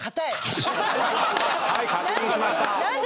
はい確認しました。